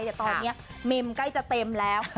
แต่ตอนนี้มิมใกล้จะเต็มแล้ว